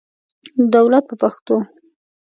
دولت په پښتو.